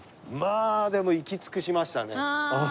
まあでも行き尽くしましたね